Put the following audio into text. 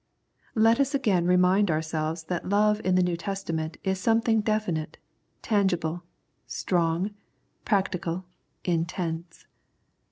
Let us again remind ourselves that love in the New Testament is something definite, tangible, strong, practical, intense.